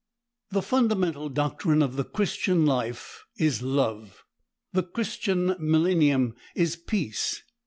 The fundamental doctrine of the Christian life is love. The Christian millennium is peace.